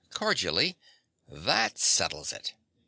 (cordially). That settles it!